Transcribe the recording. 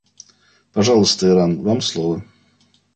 Пожалуйста, Иран, вам слово.